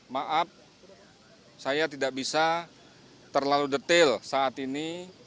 maaf saya tidak bisa terlalu detail saat ini